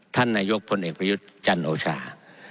ท่านนายกพลเอกประยุทธ์จันโอชา